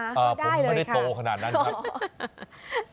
ผมไม่ได้โตขนาดนั้นครับ